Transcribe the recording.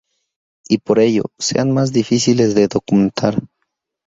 Y por ello, sean más difíciles de documentar.